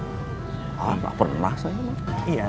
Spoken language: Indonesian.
gak pernah saya